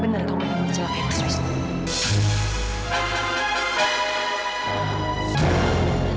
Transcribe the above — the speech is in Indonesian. benar atau tidak mencelakai mas wisnu